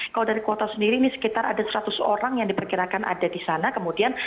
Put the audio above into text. kalau dari kota sendiri ini sekitar ada seratus orang yang diperkirakan ada di sana kemudian